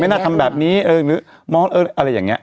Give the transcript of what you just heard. ไม่น่าทำแบบนี้เอออะไรอย่างนี้